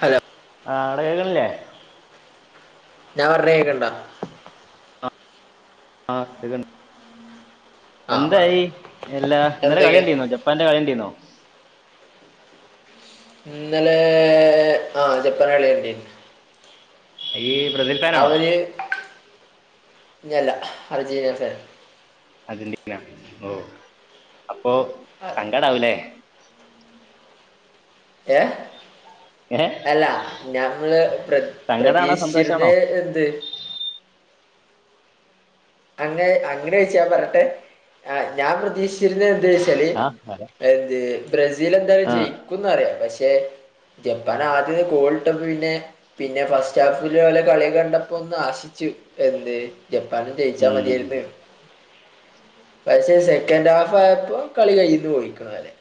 Hello ആടെ കേക്കണില്ലേ? ഞാൻ പർണകേക്കണ്ടാ? ആ കേക്കണ്ട്. ആ പറ എന്തായി എല്ലാ ഇന്നലെ എന്തൊക്കെ കളിയണ്ടിന്നോ ജപ്പാന്റെ കളിയണ്ടിന്നോ? ഇന്നലെ ആ ജപ്പാന്റെ കളിയണ്ടിനു. യ്യ് ബ്രസിൽ ഫാനാണോ? ഞാല്ല അർജന്റീന ഫാൻ. അതിന്റെ [unintelligible] ഓ അപ്പൊ അതെ സങ്കാട ആവൂലേ ഏ ഏ അല്ലാ ഞമ്മൾ പ്ര സങ്കടാണോ പ്രതീക്ഷിച്ചിരുന്ന സന്തോഷാണോ എന്ത് അങ്ങെ അങ്ങനെ ചെച്ചാ പറട്ടെ ആഞാൻ പ്രതീക്ഷിച്ചിരുന്ന എന്താ വെച്ചാല്ന്ത് ആ അതെ [unintelligible] ബ്രസീൽ എന്തായാലും ആ ജയിക്കുംന്ന് അറിയാം പക്ഷെ ജപ്പാൻ ആദ്യം കോൾട്ട പിന്നെ പിന്നെ ഫസ്റ്റ് ഹാഫില കളി കണ്ടപ്പോ ഒന്ന് ആശിച്ചു എന്ത് ജപ്പാനും ജയിച്ചാ ഉം മതിയായിരുന്നു പക്ഷെ സെക്കൻഡ് ഹാഫ് ആയപ്പോ കളി കയിന്ന് പോയി കാലൻ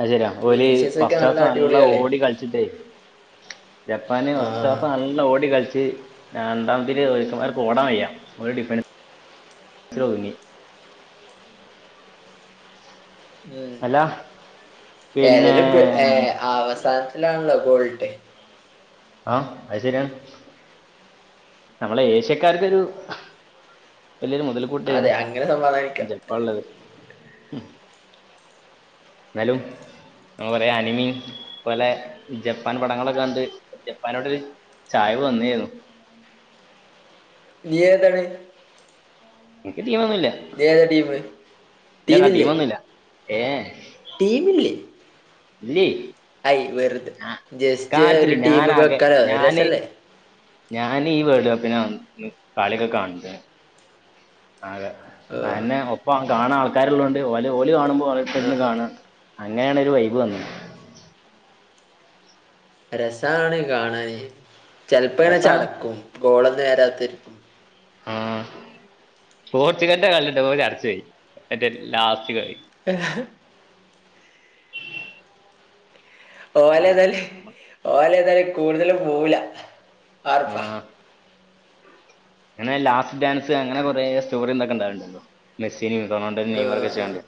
അത് ശെരിയാ ഓല ഫസ്റ്റ് ക്ലാസ് നല്ല അടിപൊളി കളിയാ ഓടി കളിച്ചിട്ടേ ജപ്പാന് ഫാസ്റ്റ് ആഹ് ഹാഫ് നല്ല ഓടി കളിച്ച് രണ്ടാമതിൽ ചേർക്കന്മാര്ക് ഓടാൻ വയ്യ ഒരു ഡിഫൻഡിൽ ഒതുങ്ങി ഉ അല്ല പിന്നെ ഏതേലും ഏ അവസാന ല്ലാണല്ലോ ഗോൾട്ട അ അഹ് ശര്യാണ് നമ്മളെ ഏഷ്യക്കാർക്കൊരു വലിയൊരു മുതൽ അതെ കൂട്ടയിരുന്നു അങ്ങനെ സമാധാനിക്കാം ജപ്പാൻ ഉള്ളത് എന്നാലും ന പറയാ അനിമി പോലെ ജപ്പാൻ പടങ്ങളൊക്കെ കണ്ട് ജപ്പാനോട് ചായിവ് വന്ന്ന്നു നിയെതണ് എനിക്ക് ടീമൊന്നുല്ല ഏതാ ടീമ് ഇല്ലടാ ടീമില്ലേ ടീമൊന്നുല്ല ഏ ടീമില്ലേ അയി വെറു അ കാര്യത്തില് ഞൻകെ വെക്കാലോ ഞാന് രസല്ലേ ഞാന് ഈ വേഡ് കാപ്പിനാ വ [unintelligible] കളി ഒക്കെ കാണിചിന്നു അതെ ആഹ് അയന്നെ ഒപ്പ കാണാ ആൾക്കാർ ഉള്ളണ്ട്ഓലെ ഓലി കാണുമ്പോൾഒലർത് ന്ന് ആഹ് ആഹ് കാണാം അങ്ങനെയണ് ഒരു വൈബ് വന്നത് രസാണ് കാണാന് ചെലപ്പോ ഇങ്ങനെ രസാണ് ചടക്കും ഗോള നേരാത്ത് ആ സ്പോർച്ചുഗല്ന്റെ കളി കണ്ടപ്പോ ചട്ചോയിച്ചേ മറ്റേ ലാസ്റ്റ് കളി ഏ ഹ് ഓല ഏതല് ആ ഓല ഏതായാലും കൂടുതലും പോവൂല ഉർപ്പ ആഹ് അങ്ങനെ ലാസ്റ്റ് ഡാൻസ് അങ്ങനെ കൊറ സ്റ്റോറി എന്തൊക്കെ ഉണ്ടാവണ്ടല്ലോ മെസ് തിന്ന് റൊണാൾഡോ നിയമർക്കെ ആഹ് ആഹ് വെച്ച്കണ്ട്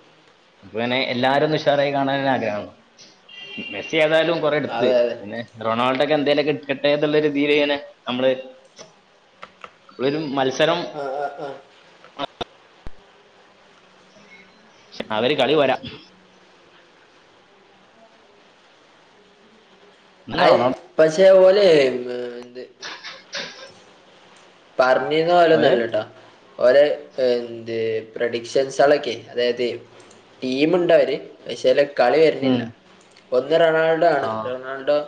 അപ്പളെന്നെ എല്ലാരോന്നും ഉസാറായിക്കൊണ്ടേനെ അഡാളം മെസി ചെലപ്പോ യാലും കുറെ എടുത്ത് അതെ അതെ പിന്നെ റൊണാൾഡോ ക്കെ എന്തേലും ഒക്കെ ഇട്കട്ടെ എന്നുള്ള തിലിങ്ങനെ നമ്മള് ഒരു മത്സരം ആഹ് ആഹ് ആഹ് അവര് കളി പോരാ എന്നാ അഹ് റൊണാൾഡോ പക്ഷെ ഒല് ഹ് ത് പറഞ്ഞിന്ന ഓല ഓര് ല്ലട്ടെ ഓല എന്ത്ഹെ പ്രൊഡിക്ഷൻസളൊക്കെ അതായത് ടീമ് ഇണ്ട് അവര് അഹ് ചേലെ കളി ഉം വരുന്നില്ല ഒന്ന് റൊണാൾഡോ ആണ് ആഹ് റൊണാൾഡോ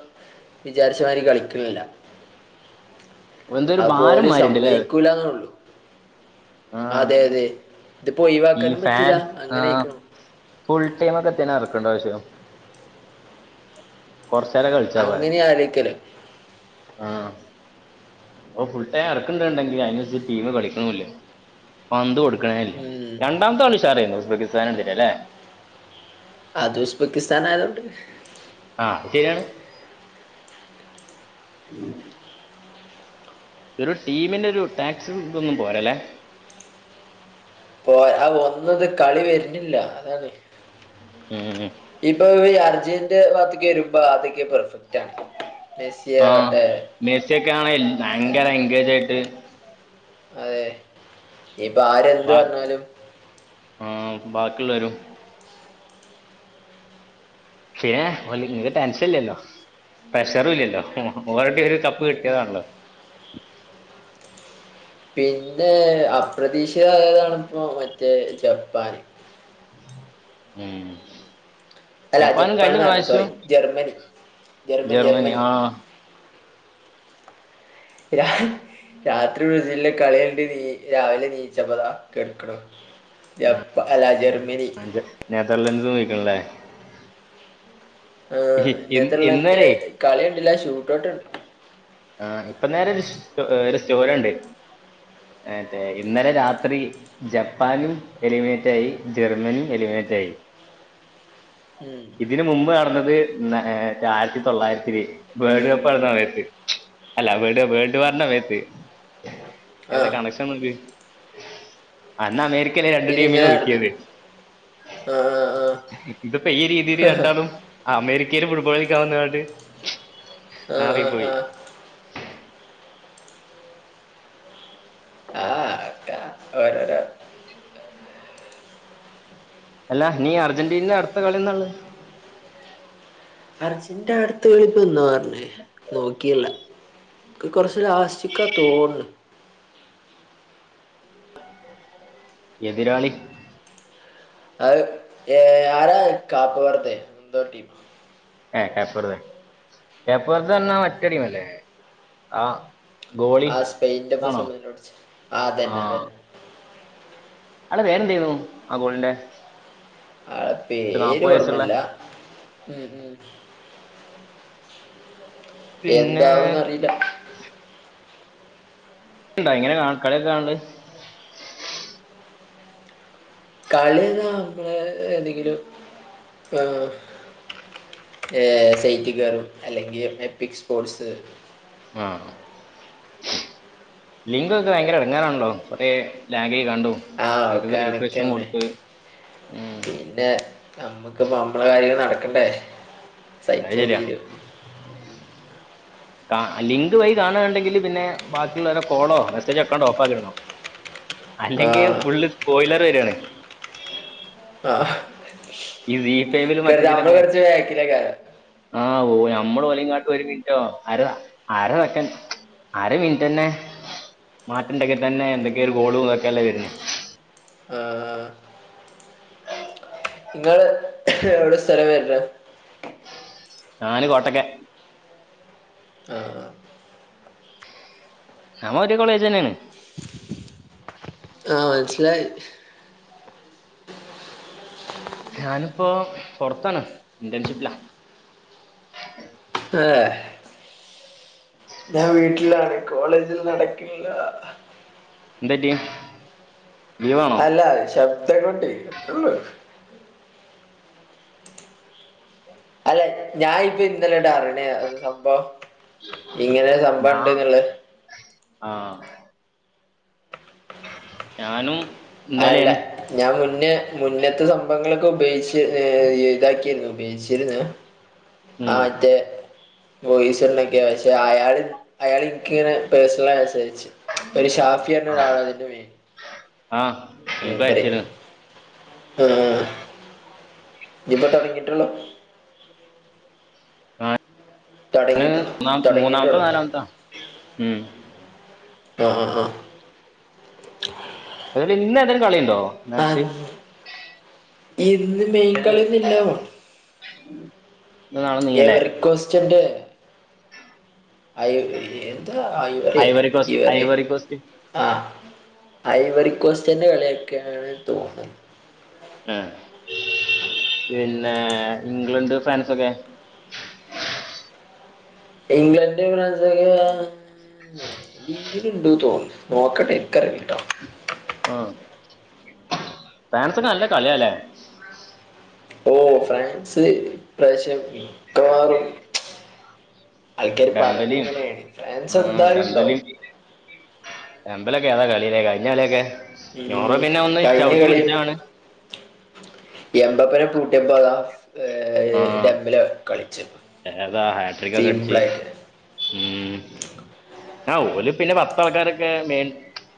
വിചാരിച്ച മാരി കളിക്ന്നില്ല ഒന്തൊരു ഭ ഓല് സമ്മയിക്കുല്ല എന്നുള്ളൂ ആഹ് അതെ അതെ ഇതിപ്പോ ഈ ഒഴിവാക്കാനും ഫാൻ പറ്റില്ല ആഹ് അങ്ങനെയിക്കണോ ഫുൾ ടൈമ ഒക്കെ എത്തിനാ ഇറക്കണ്ട ആവശ്യം കുറച്ചേരം അങ്ങനെയഅലേക്കല് ആ ഓ ഫുൾ ടൈം ഇറക്കണ്ടണ്ടെങ്കിലും അതിന് അനുസരിച് ടീമ കളിക്കണില്ല പന്ത് കൊടുക്ക ഉം രണ്ടാമത്തെകളിഷാർന്നു ഉസ്ബെക്കിസ്ഥാന് എതിരെല്ലേ അത് ഉസ്ബെക്കിസ്ഥാൻ ആയതോണ്ട് ആ അത് ശരിയാണ് ഉ ഒരു ടീമിന്റെ ഒരു ടാക്സിന്നും പോരല്ലെ പോ ആ ഒന്നത് കളി വരുന്നില്ല അതാണ് ഉം ഉം. ഇപ്പൊ അർജന്റീനന്റെ ഭാത്തക്ക വരുമ്പ അതൊക്കെ പെർഫെക്റ്റ് ആണ് ആ മെസ്സിയാകട്ടെ മെസ്സിയൊക്കെ ആണെ ഏ ഭയങ്കര എൻഗേജ് ആയിട്ട് ആ അതെ ഇപ്പ ആ ആഹ ബാക്കിയുള്ള വരും പിന്നെ ഇ ടാൻഷൻ ഇല്ലല്ലോ പ്രഷർ ഇല്ലല്ലോ ഒരു കപ്പ് ഉം, ഉം. കിട്ടിയതാണല്ലോ പിന്നെ അപ്രതീക്ഷിതമായയതണിപ്പോ മറ്റേ ജപ്പൻ ഉം അല്ല ജപ്പാനും ജപ്പാൻ കഴിഞ്ഞ എന്ന് പറഞ്ഞ സോറി പ്രാവശ്യം ജർമ്മനി ജർമ്മനി ജെർമനി ജർമ്മനി ആഹ ഇരാ രാത്രി ബ്രസീലെ കളിണ്ട നീ രാവിലെ നീച്ചപ്പതാ കെടുക്കണ ജപ്പ അല്ല ജർമ്മനി ജ- നെതർലൻഡ്സും വയ്ക്കണല്ലേ ആർ നെതർലൻഡന്റെ ഇന്നേരെ കളിണ്ടില്ല ഷൂട്ട്ഔട്ട്കണ്ട് ആ ഇപ്പൊ നേര ഒരു ഒരു സ്റ്റോറുണ്ട് ട്ടെ ഇന്നലെ രാത്രി ജപ്പാനും എലിമിനേറ്റ് ആയി ജർമ്മനിയും എലിമിനേറ്റ് റ്റായി [inaudible] ഉം. ഇതിന് മുമ്പ് നടന്നത് മറ്റ ആയിരത്തി തൊള്ളായിരത്തിൽ വേൾഡ് കപ്പ് നടന്ന സമയത്ത് അല്ല വേൾഡ് വാർന്റെ സമയത്ത് ഏതാ ആഹ് കണക്ഷൻ അന്നാ അമേരിക്ക രണ്ട് ടീമിനെ ഇതിങ്ങനെയായിരുന്നു ഒതുക്കിയത് ആഹ് ഇതിപ്പോ ഈ രീതിൽ ആഹ് രണ്ടാലും അമേരിക്ക ഫുട്ബോൾ കളിക്കാൻ വാന്ന്ങ്ങണ്ട് ആഹ് ആഹ് നാറിപ്പോയി ആഹ് ആഹ്ട്ട ഓരോരോ അല്ല നീ അർജന്റീനെ അടുത്ത കളിന്നളത് അർജന്ന്റെ അടുത്ത് കളിപ്പ എന്നാ പറഞ്ഞേ നോക്കില്ല കുറച്ച് ലാസ്റ്റ്കാത്തോൺ എതിരാളി അത് ഏ ആരാ കാപ്പ്വർദ്ദേ എന്തോ ടീ ക്യാപ് വർദ്ദേ ക്യാപ് വർദ്ദേന്നാ മറ്റടുമല്ലേ ആ ഗോളി ആ സ്പെയിന്റെപ്പം അതാണോ സമന്നില്ല പിടിച്ച അതന്നെ അതന്നെ പേരെന്തെന്നു ആ ഗോളിന്റെ ആൾടെ പേര് നാപ്പത് വയസ്സുള്ള ഓർമ്മല്ല ഉ ഉ പിന്നെ എന്താവുംന്ന് അറിയില്ല ണ്ടാ എങ്ങനെ കളിക്ക കാണൽ കളിന്താ നമ്മളെ എന്തെങ്കിലും ആ സൈറ്റകറും അല്ലെങ്കിൽ എപ്പിക് സ്പോർട്സ് ആഹ ലിങ്കൊക്കെ ഭയങ്കര ഇടങ്ങേറാണല്ലോ കുറ ലാഗ് കണ്ടോ ആഹ് ഒക്കെ എടക്കത് റീഫ്രഷ്മെ കണക്കന്നെ കൊടുത്ത് ഉം. പിന്നെ നമ്മുകിപ്പോ മ്മളെകാര്യങ്ങ നടക്ക നക്കണ്ടേ അത് സഹിച്ച ശരിയാ തീരു ലിങ്ക് വഴി കാണുണ്ടെങ്കിൽ പിന്നെ ബാക്കിയുള്ളവരെ കോളോ മെസ്സേജ് ഒക്കാണ്ട് ഓപ്പ് ആാക്കിടണോ [inaudible] അല്ലെങ്കിൽ ആഹ് ഫുള്ള് സ്പോയിലർ വരാണ് ആ ഈ ബി ടീമിലും മറ്റേതിലൊക്കെ ബാക്കിലേക്കാരം ആ ഓ നമ്മൾ ഓലങ്ങാട്ട് ഒരു മിനിറ്റോ അരസെകൻ്റ്അര മിനിറ്റ് തന്നെ മാറ്റ്ണ്ടങ്കി തന്നെ എന്തൊക്കെയ ഒരു ഗോളും ഇതൊക്കെല്ല വരണ് ആ നിങ്ങള് എവിടെ സ്ഥലം വരുന്നെ ഞാന് കോട്ടക്കൽ ആ നമ്മേ ഒരേ കോളേജ് തന്നെയാണ് ആ മനസിലായി ഞാനിപ്പോ പുറത്താണ് ഇന്റേൺഷിപ്പിലാ [unintelligible] ഞാൻ വീട്ടിലാണ് കോളേജിൽ നടക്കില്ല എന്തറ്റ്യെ അല്ല ശബ്ദക്കോട്ടേ എത്രള്ളു അല്ല ഞാൻ ഇപ്പൊ ഇന്നലെ ഇറണേ അത് സംഭവം ഇങ്ങനെ സംഭവ ഇണ്ട്ന്നുള്ള ആഹ ഞാനും അല്ല ഇന്നലെയാണ് ഞാൻ മുന്നേ മുന്നത്തെ സംഭവങ്ങളൊക്കെ ഉപയോഗിച്ച് ഏ ഇതാക്കിരുന്നു ഉപയോഗിച്ചിരുന്നു ആ ഉം മറ്റേ ബോയിസ്ന്നോക്കെ ഇപ്പ അയാള് അയാള് എനിക്കിങ്ങനെ പേഴ്സണലന്സാരിച്ച് ഒരു ഷാഫിയറിന്ന ഒരാൾ അതിന്റെ മേയ്ൻ ആഹ് എക്ക് അയച്ചല് ആഹ ഇപ്പ തൊടങ്ങിയിട്ടുള്ളൂ ഞാന് തൊടങ്ങിട്ടുള്ളൂ മൂന്നാം മൂന്നാമത്തെ തെടങ്ങിട്ടുള്ളൂ നാലാമത്തെ ഉം ആഹ ആ ആ അതപോലെ ഇന്ന് എന്തായാലും കളിയുണ്ടോ ആ, മാച്ച് ഇന്ന് മീൻ ഏത് കളിന്നില്ല വോ നാളെ നീയല്ലേ എവർക്വസ്റ്റന്റെ അയ് എന്താ ഐവറിയോ ഐവറി കോസ്റ്റ് എവറിയെ ഐവറി കോസ്റ്റ് ആഹ ഐവറിക്കോസ്റ്റന്റെ കളിയൊക്കെയാണ് തോന്നുന്ന് ആഹ പിന്നെ ഇംഗ്ലണ്ട് ഫ്രാൻസൊക്കെ ഇംഗ്ലണ്ട് ഫ്രാൻസ് ഒക്കെ ഉം.. ലീവിനുണ്ട് തോന്നി നോക്കട്ടെ എക്കറില്ലട്ടോ ആ ഫാൻസൊക്ക നല്ല കളിയല്ലേ ഓ ഫ്രാൻസ് ഇപ്രാവശ്യം മിക്കവാറും ആൾക്കാര് പറണ ഡംബലിയും എങ്ങനെയാണ് ഫ്രാൻസ് ആഹ് എന്താലുണ്ടവും ഇലക്കെ താ കളയിലേ കഴിഞ്ഞ കളിയൊക്കെ ഞോറ ഉം പിന്നെ ഒന്ന് കഴിഞ്ഞ ചവിട്ടി പിടിച്ചാണ് എമ്പപ്പുരം പൂട്ടിയപ്പ അതാ [unintelligible] ഡമ്പില് കളി താ ഹാട്രിക്കൊക്കെ അടിച്ച് ഉം ആ ഓല് പിന്നെ പത്ത ആൾക്കാരൊക്കെ മെയിൻ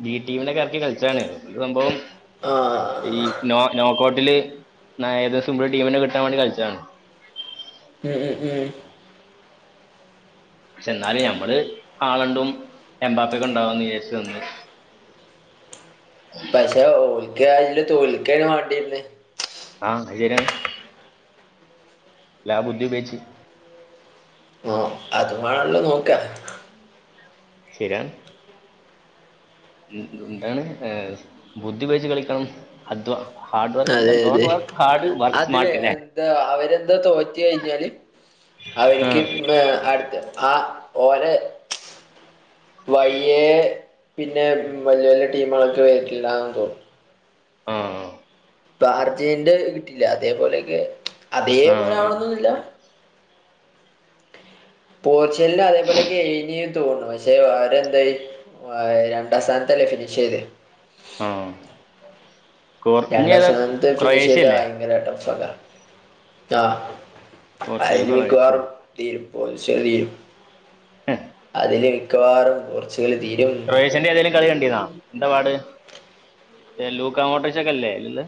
ബി ടീമിനൊക്കെ എറക്കി കളിച്ചാണ് സംഭവം ആ ഈ നോ നോക്കൌട്ടില് ഏകദേശം നമ്മള് ടീമിന് കിട്ടാൻ വേണ്ടി കളിച്ച ഡൺ ഉം ഊം പക്ഷെ എന്നാലും ഞമ്മള് ആളണ്ടും എമ്പാപ്പൊക്കെ ഉണ്ടവാന്ന് വിചാരിച്ചു വന്ന് പക്ഷെ ഓൽക്ക യില് തോൽക്കന് വേണ്ടിന്ന് ആ അത് ശരിയാണ്. ല്ലാ ബുദ്ധി ഉപയോഗിച്ച്. ആ അതുമണല്ലോ നോക്കാ ശരി ആണ്. എന്താണ് ഏ ബുദ്ധി ഉപയോഗിച്ച് കളിക്കണം അധ്വാ അതെ അതെ അതിലെ സ്മാർട്ട് അല്ലേ എന്താ അവരെ. തോറ്റ് കഴിഞ്ഞാല് ആ അവർക്ക് അടുത്ത ആ ഓര് വയ്യേ. പിന്നെ വല്യ വലിയ ടീമുകളൊക്കെ വരില്ലന്ന് തോന്നു. ആ. ഇപ്പൊ അർജന്റന്റെ കിട്ടില്ലെ അതേപോലെക്കെ ആ അതേപോലെ ആ ആവണന്നൊന്നില്ല. പോർച്ച്ഗലിന്റെ അതേപോലെക്കെ എഴുതിയെന്ന് തോന്നു പക്ഷെ വേറെന്തായി. ആ രണ്ടാം സ്ഥാനത്തല്ലേ ഫിനിഷ് ചെയ്ത്. ആ കോർ ഇനി രണ്ടാം ഏതാ സ്ഥാനത്ത് ഫിനിഷ് ക്രൊയേഷ്യ ചെയ്ത അല്ലേ ഭയങ്കര ടഫ് ആ. പോർച്ചുഗലും അതില് ക്രൊയേഷ്യ മിക്കവാറും തീരും. [unintelligible] അതില് മിക്കവാറും കുറച്ച് ക്രൊഷ്യന്റെ ഏതെലും കളി കണ്ടിന്നാ. എന്താ പാട് ലൂക്ക മോട്ടേഴ്സ് ഒക്കെല്ലേ ഇന്ന്.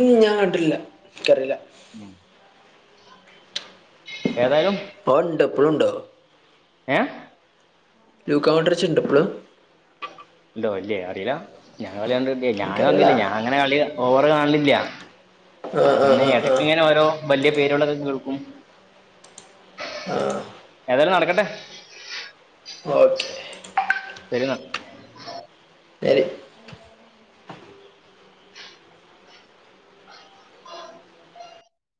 ഉ ഞാൻ ക്കണ്ടില്ല എനിക്കറില്ല. ഉ ഏതായാലും. ഓൺ ഉണ്ടോ ഇപ്പഴുണ്ടോ. ഏ ലൂക്ക മോണ്ടർച്ച് ഉണ്ടോ ഇപ്പോളും. ഇല്ലോ ഇല്ലേ അറിയില്ല, ഞാൻ കളി കണ്ടിട്ടില്ല. ഞാൻ എനിക്കറിയില്ല വന്നില്ല ഞാൻ അങ്ങനെ കളി ഓവർ കാണന്നില്ല. ആഹ് ഇങ്ങനെ ആഹ് ആഹ് ആഹ് ഇടക്കിങ്ങനെ ഓരോ വലിയ പേര ഉം ആ എന്താലും നടക്കട്ടെ. ഓക്കേ. ശരിന്നാ. ശരി.